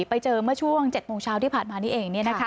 ไปเจอเมื่อช่วง๗โมงเช้าที่ผ่านมานี้เอง